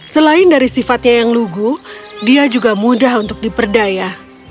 selain dari sifatnya yang lugu dia juga mudah untuk diperdaya